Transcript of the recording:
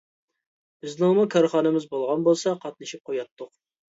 بىزنىڭمۇ كارخانىمىز بولغان بولسا قاتنىشىپ قۇياتتۇق!